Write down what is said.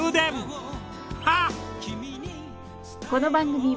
ハッ！